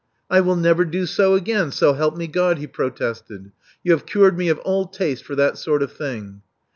I will never do so again, so help me God!" he pro tested. You have cured me of all taste for that sort of thing."